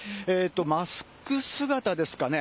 マスク姿ですかね。